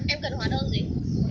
em cần hóa đơn gì